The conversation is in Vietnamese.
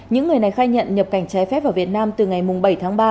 những người này khai nhận nhập cảnh trái phép vào việt nam từ ngày bảy tháng ba